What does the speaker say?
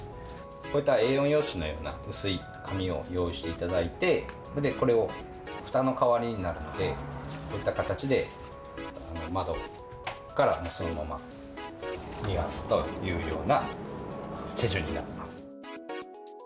こういったＡ４用紙のような薄い紙を用意していただいて、それで、これをふたの代わりになるので、こういった形で窓からそのまま逃がすというような手順になります。